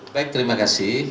baik terima kasih